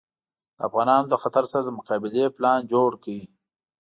د افغانانو له خطر سره د مقابلې پلان جوړ کړ.